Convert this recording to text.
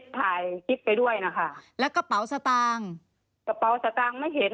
ถ่ายคลิปไปด้วยนะคะแล้วกระเป๋าสตางค์กระเป๋าสตางค์ไม่เห็น